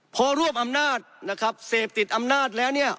พอรวบอำนาจนะครับเสพติดอำนาจแล้วเนี่ย